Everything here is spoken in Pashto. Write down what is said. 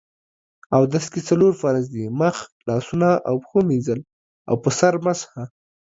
اودس کې څلور فرض دي: مخ، لاسونو او پښو مينځل او په سر مسح